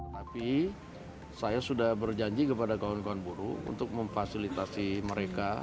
tapi saya sudah berjanji kepada kawan kawan buruh untuk memfasilitasi mereka